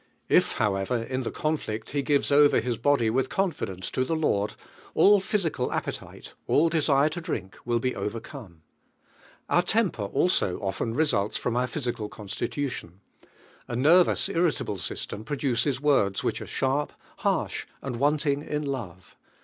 If however, in the conflict he gives over bis body with confidence to the Lord, all physical apjie tile, all desire to drink will be overcome. Onr temper also often results from our physical constitution. A nervous, irrita ble system produces words which are sharp, harsh and wanting in love.